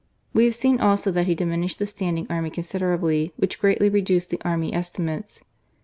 We have seen also that he diminished the standing army considerably, which greatly reduced the Army Estimates.